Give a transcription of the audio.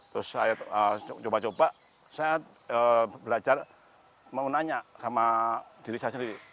terus saya coba coba saya belajar mau nanya sama diri saya sendiri